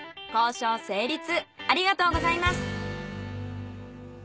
ありがとうございます。